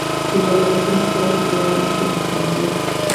Su valoración actual es probablemente mucho mayor.